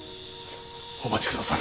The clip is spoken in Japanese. お待ちくだされ。